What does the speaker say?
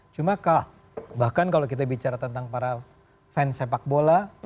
cuma bahkan kalau kita bicara tentang para fans sepak bola